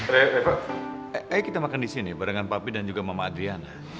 reva ayo kita makan disini barengan papi dan juga mama adriana